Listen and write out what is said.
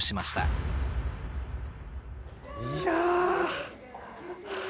いや。